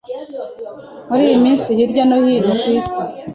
muri iyi minsi hirya no hino ku Isi,